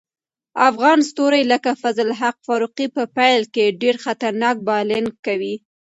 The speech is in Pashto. افغان ستوري لکه فضل الحق فاروقي په پیل کې ډېر خطرناک بالینګ کوي.